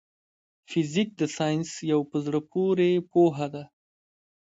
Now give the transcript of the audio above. فزيک د ساينس يو په زړه پوري پوهه ده.